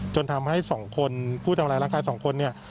จนทำให้สองคนผู้ทำร้ายร่างกายสองคนเนี่ย